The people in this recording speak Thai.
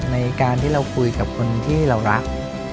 ในการที่เราคุยกับคนที่เรารัก